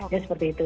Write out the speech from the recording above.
ya seperti itu